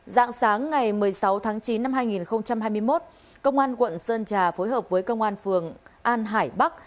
dạng sáng ngày một mươi sáu tháng chín năm hai nghìn hai mươi một công an quận sơn trà phối hợp với công an phường an hải bắc